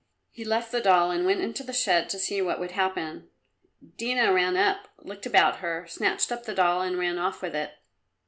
He left the doll and went into the shed to see what would happen. Dina ran up, looked about her, snatched up the doll and ran off with it.